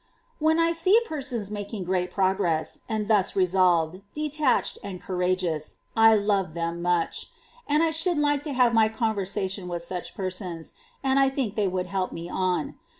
„, 16. When I see persons making great progress, Good peoplct o <_> X and thus resolved, detached, and courageous, I love them much ; and I should like to have my conversation with such persons, and I think they help me on.